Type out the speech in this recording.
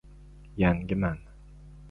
Yangiman.